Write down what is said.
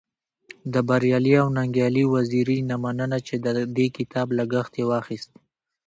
د بريالي او ننګيالي وزيري نه مننه چی د دې کتاب لګښت يې واخست.